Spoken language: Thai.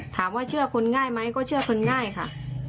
ถามว่าเชื่อคนง่ายไหมก็เชื่อคนง่ายค่ะ